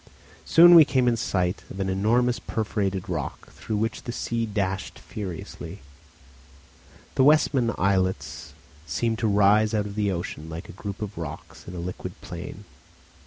Soon we came in sight of an enormous perforated rock, through which the sea dashed furiously. The Westman islets seemed to rise out of the ocean like a group of rocks in a liquid plain.